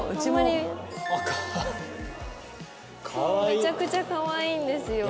めちゃくちゃかわいいんですよ。